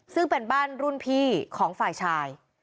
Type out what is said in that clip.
ซึ่งเป็นบ้านรุ่นพี่ของฝ่ายชาย